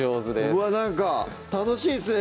うわっなんか楽しいっすね